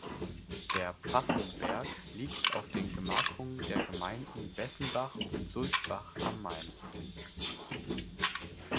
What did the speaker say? Der Pfaffenberg liegt auf den Gemarkungen der Gemeinden Bessenbach und Sulzbach am Main.